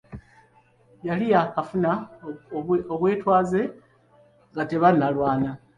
Yali yaakafuna obwetwaze nga tebannalwana.